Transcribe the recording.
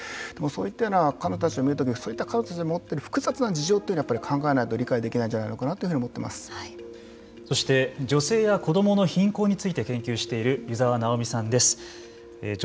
そういったような彼女たちを見るときにそういった彼女たちが持っている複雑な事情を考えないと理解できないんじゃないかなとそして女性や子どもの貧困について研究している湯澤直美さんです。